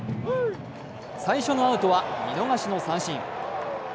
最初のアウトは、見逃しの三振。